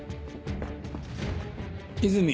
和泉。